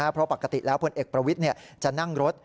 เพราะปกติแล้วพลเอกประวิทย์จะนั่งรถ